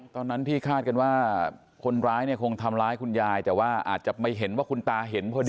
ตอนนั้นที่คาดกันว่าคนร้ายเนี่ยคงทำร้ายคุณยายแต่ว่าอาจจะไม่เห็นว่าคุณตาเห็นพอดี